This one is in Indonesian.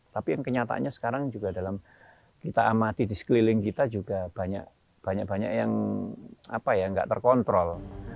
tapi yang kenyataannya sekarang juga dalam kita amati di sekeliling kita juga banyak banyak yang nggak terkontrol